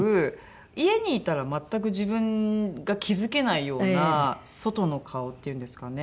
家にいたら全く自分が気付けないような外の顔っていうんですかね。